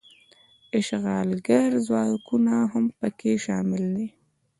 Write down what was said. اشغالګر ځواکونه هم پکې شامل دي.